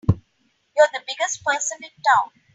You're the biggest person in town!